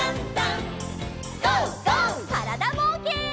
からだぼうけん。